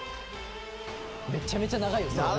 めちゃめちゃ長いよストロー。